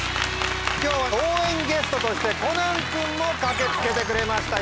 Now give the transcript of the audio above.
今日は応援ゲストとしてコナン君も駆け付けてくれました